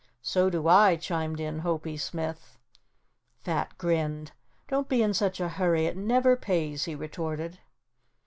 "So do I," chimed in Hopie Smith. Fat grinned. "Don't be in such a hurry; it never pays," he retorted.